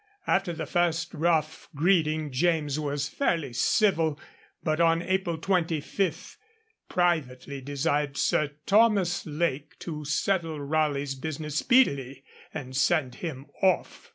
After the first rough greeting, James was fairly civil, but on April 25 privately desired Sir Thomas Lake to settle Raleigh's business speedily, and send him off.